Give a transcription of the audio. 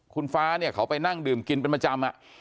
คุณฟ้าเนี่ยเขาไปนั่งดื่มกินเป็นประจำ